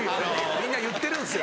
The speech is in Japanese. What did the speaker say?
みんな言ってるんですよ。